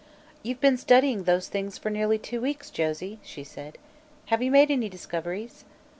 "You've been studying those things for nearly two weeks, Josie," she said. "Have you made any discoveries?"